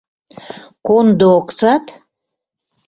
Кондо оксат?..